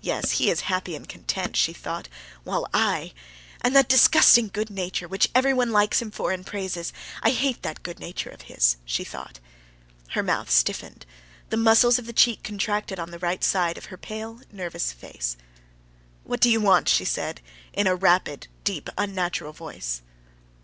"Yes, he is happy and content!" she thought; "while I.... And that disgusting good nature, which everyone likes him for and praises—I hate that good nature of his," she thought. Her mouth stiffened, the muscles of the cheek contracted on the right side of her pale, nervous face. "What do you want?" she said in a rapid, deep, unnatural voice.